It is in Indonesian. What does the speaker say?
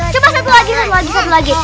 coba satu lagi kan lagi satu lagi